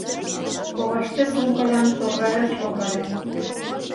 Коваште сумкалан торгаяш логале.